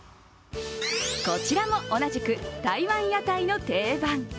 こちらも同じく台湾屋台の定番。